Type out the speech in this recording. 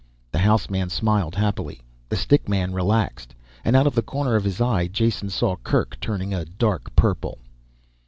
The house man smiled happily, the stick man relaxed and out of the corner of his eye Jason saw Kerk turning a dark purple.